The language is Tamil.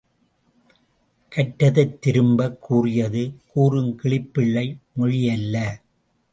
கற்றதைத் திரும்ப, கூறியது கூறும் கிளிப்பிள்ளை மொழி அல்ல!